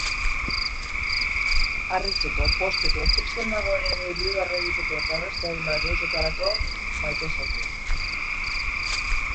Harritzeko, pozteko, triste nagoenean irribarre egiteko eta beste hainbat gauzatarako, maite zaitut.